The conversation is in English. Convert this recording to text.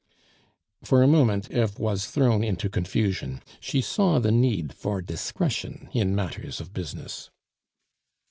For a moment Eve was thrown into confusion; she saw the need for discretion in matters of business.